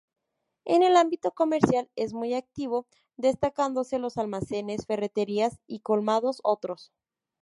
En el ámbito comercial es muy activo, destacándose los almacenes, ferreterías y colmados otros.